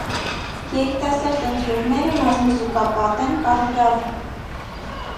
Երիտասարդ ընձյուղները մազմզուկապատ են, կարմրավուն։